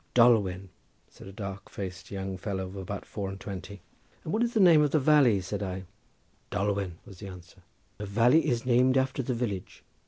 "Dolwen," said a dark faced young fellow of about four and twenty. "And what is the name of the valley?" said I. "Dolwen," was the answer, "the valley is named after the village."